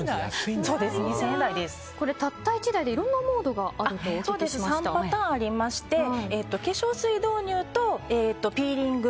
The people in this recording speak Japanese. これ、たった１台でいろんなモードがあると３パターンありまして化粧水導入とピーリング